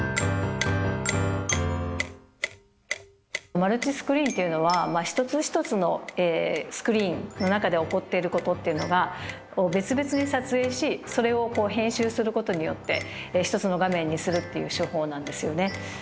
マルチスクリーンっていうのは一つ一つのスクリーンの中で起こっていることっていうのが別々に撮影しそれを編集することによって一つの画面にするっていう手法なんですよね。